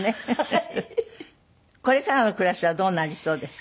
これからの暮らしはどうなりそうですか？